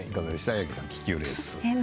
八木さん気球レース。